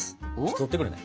取ってくるね。